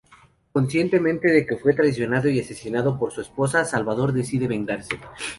Consciente de que fue traicionado y asesinado por su esposa, Salvador decide vengarse.